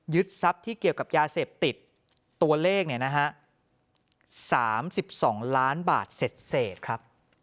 ทรัพย์ที่เกี่ยวกับยาเสพติดตัวเลขเนี่ยนะฮะ๓๒ล้านบาทเสร็จครับ